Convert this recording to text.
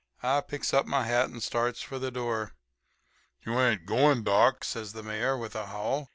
"I picks up my hat and starts for the door. "'You ain't going, doc?' says the Mayor with a howl.